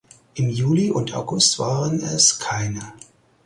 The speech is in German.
Im Juli und August waren es keine.